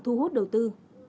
thu hút đầu tư